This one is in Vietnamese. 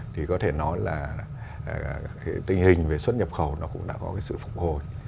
thì có thể nói là tình hình về xuất nhập khẩu cũng đã có sự phục hồi